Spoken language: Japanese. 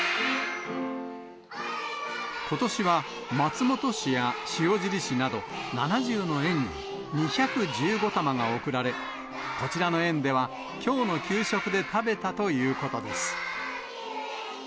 ことしは、松本市や塩尻市など、７０の園に２１５玉が贈られ、こちらの園では、きょうの給食で食べたということです。